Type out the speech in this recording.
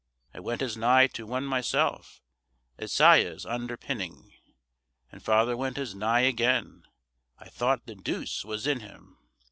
I went as nigh to one myself As Siah's underpinning; And father went as nigh again, I thought the deuce was in him.